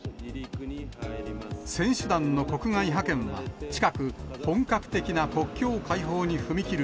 選手団の国外派遣は近く、本格的な国境開放に踏み切る